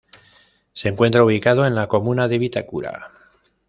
Se encuentra ubicado en la comuna de Vitacura.